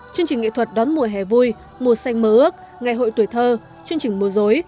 chương trình nghệ thuật đón mùa hè vui mùa xanh mơ ước ngày hội tuổi thơ chương trình mùa dối